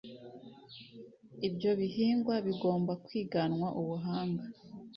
Ibyo bihingwa bigomba kwiganwa ubuhanga